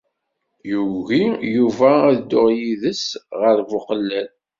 Yugi Yuba ad dduɣ yid-s ɣer Buqellal.